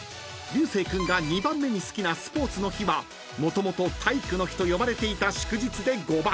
［流星君が２番目に好きなスポーツの日はもともと体育の日と呼ばれていた祝日で５番］